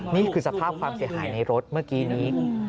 นี่คือสภาพความเสียหายในรถเมื่อกี้นี้